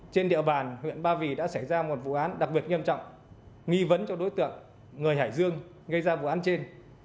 trên địa bàn huyện ba vì đã xảy ra một vụ án đặc biệt nghiêm trọng nghi vấn cho đối tượng người hải dương gây ra vụ án trên